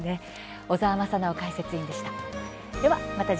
小澤正修解説委員でした。